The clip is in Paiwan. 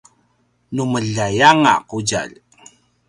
nu meljai anga qudjalj